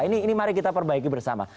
ini mari kita perbaiki bersama